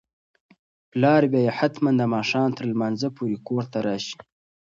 پلار به یې حتماً د ماښام تر لمانځه پورې کور ته راشي.